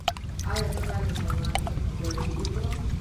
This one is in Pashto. ایا زه باید د حیواني غوړي وخورم؟